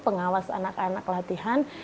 pengawas anak anak latihan